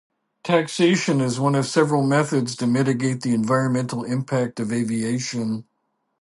Taxation is one of several methods to mitigate the environmental impact of aviation.